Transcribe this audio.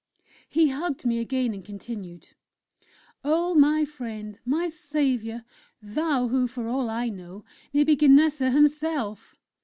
He hugged me again, and continued: "Oh, my friend! My saviour! thou, who, for all I know, may be Ganesa Himself!...